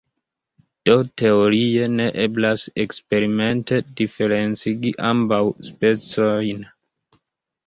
Do teorie ne eblas eksperimente diferencigi ambaŭ specojn.